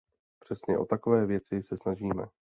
Přesně o takové věci se snažíme.